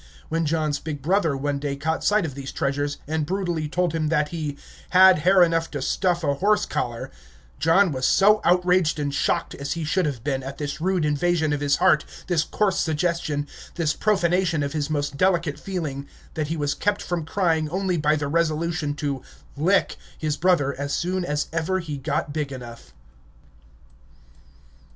When John's big brother one day caught sight of these treasures, and brutally told him that he "had hair enough to stuff a horse collar," John was so outraged and shocked, as he should have been, at this rude invasion of his heart, this coarse suggestion, this profanation of his most delicate feeling, that he was kept from crying only by the resolution to "lick" his brother as soon as ever he got big enough.